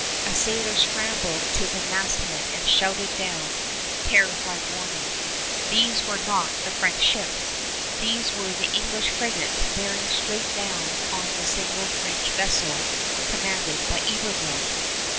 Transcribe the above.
A sailor scrambled to the masthead and shouted down terrified warning. These were not the French ships! They were the English frigates bearing straight down on the single French vessel commanded by Iberville!